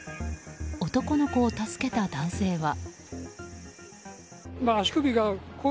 男の子を助けた男性は。